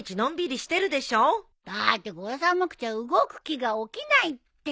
だってこう寒くちゃ動く気が起きないって。